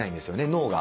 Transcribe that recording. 脳が。